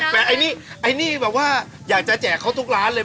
แต่อันนี้แบบว่าอยากจะแจกเขาทุกร้านเลย